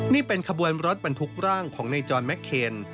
นี่เป็นขบวนรถบรรทุกร่างของในจอนแมคเคน